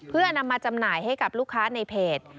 เพื่อนำมาจำหน่ายให้กับลูกค้าในเพจ